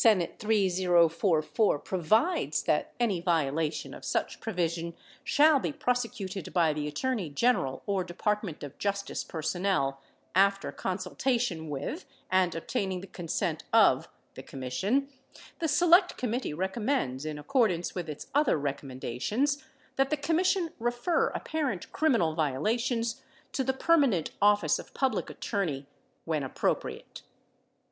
3044 provides that any violation of such provision shall be prosecuted by the Attorney General or Department of Justice personnel after consultation with, and obtaining the consent of, the Commission, the Select Committee recommends in accordance with its other recommendations that the Commission refer apparent criminal violations to the Permanent Office of Public Attorney when appropriate.